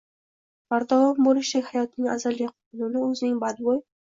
bardavom bo‘lishdek hayotning azaliy qonuni o‘zining badbo‘y